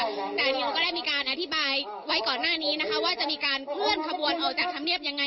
แต่เดี๋ยวก็ได้มีการอธิบายไว้ก่อนหน้านี้นะคะว่าจะมีการเคลื่อนขบวนออกจากธรรมเนียบยังไง